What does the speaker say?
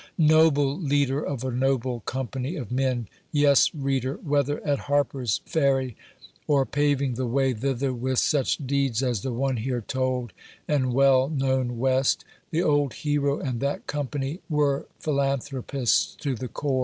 Noble leader of a noble company of men ! Yes, reader, whether at Harper's Perry, or paving the way thither with such deeds as the one here told, and well known West, the old hero and that company were philanthropists to the core.